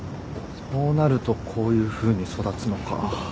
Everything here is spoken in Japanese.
そうなるとこういうふうに育つのか。